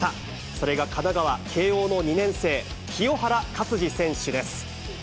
それが神奈川・慶応の２年生、清原勝児選手です。